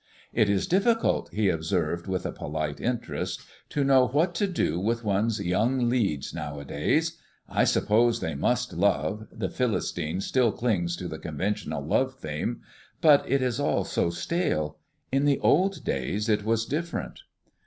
"It is difficult," he observed, with a polite interest, "to know what to do with one's young leads nowadays. I suppose they must love the Philistine still clings to the conventional love theme but it is all so stale. In the old days it was different."